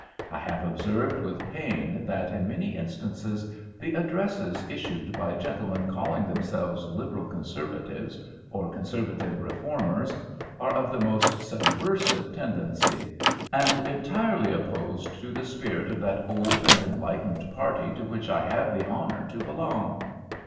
I have observed with pain that in many instances the addresses issued by gentlemen calling themselves Liberal Conservatives or Conservative Reformers, are of the most subversive tendency, and entirely opposed to the spirit of that old and enlightened party to which I have the honour to belong.